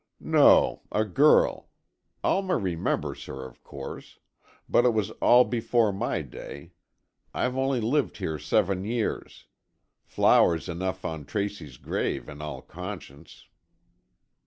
"No, a girl. Alma remembers her, of course. But it was all before my day. I've only lived here seven years. Flowers enough on Tracy's grave, in all conscience."